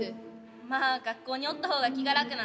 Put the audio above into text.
まあ学校におった方が気が楽なん。